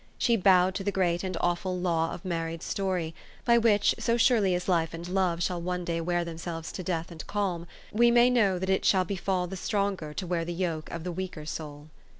She bowed to the great and awful law of married story, by which, so surely as life and love shall one day wear them selves to death and calm, we ma} r know that it shall befall the stronger to wear the yoke of the weaker soul.